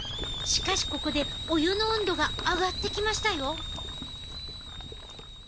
しかし、ここでお湯の温度が上がってきましたよ。